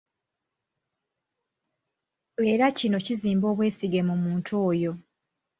Era kino kizimba obwesige mu muntu oyo.